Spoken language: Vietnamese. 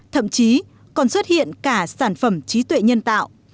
thậm chí còn xuất hiện cả sản phẩm trí tuệ nhân tạo